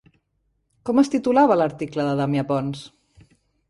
Com es titulava l'article de Damià Pons?